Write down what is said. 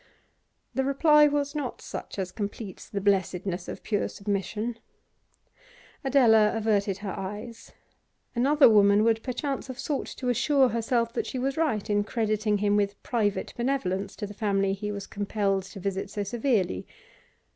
The reply was not such as completes the blessedness of pure submission. Adela averted her eyes. Another woman would perchance have sought to assure herself that she was right in crediting him with private benevolence to the family he was compelled to visit so severely.